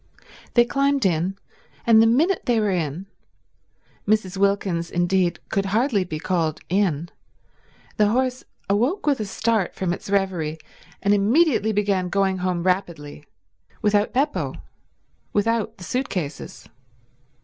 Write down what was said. They climbed in, and the minute they were in—Mrs. Wilkins, indeed, could hardly be called in—the horse awoke with a start from its reverie and immediately began going home rapidly; without Beppo; without the suit cases.